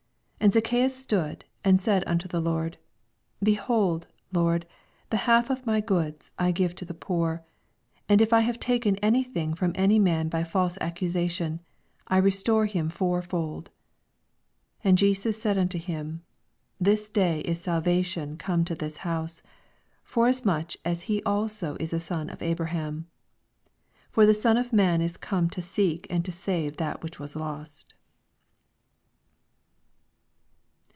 8 And Zacchseus stood, and said .unto the Lord ; Behold, Lord, the half of my goods I give to the poor ; and if I iiave taken any thing from any man bv false accusation, 1 restore liifa fourfold. 9 And Jesus said unto him. This day is salvation come to this house, forasmuch as he also is a son or Abra ' ham. 10 For the Son of man is oome to seek and to save that which was lost.